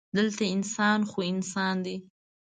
دلته انسان خو انسان دی.